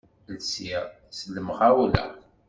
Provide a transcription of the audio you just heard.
Lsiɣ s lemɣawla.